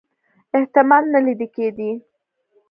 احتمال نه لیده کېدی.